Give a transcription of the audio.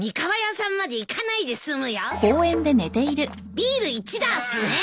ビール１ダースね。